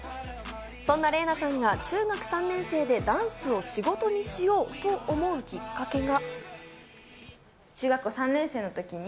そんなＲｅｉＮａさんが中学３年生でダンスを仕事にしようと思うきっかけが。